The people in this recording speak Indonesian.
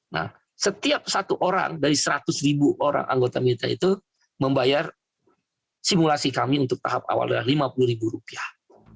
nah setiap satu orang dari seratus ribu orang anggota mitra itu membayar simulasi kami untuk tahap awal adalah lima puluh ribu rupiah